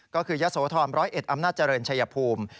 ก็คือยศธรรมร้อยเอ็ดอำนาจเจริญชัยภูมิ